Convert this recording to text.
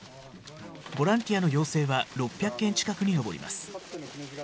ボランティアの要請は６００件近くに上ります。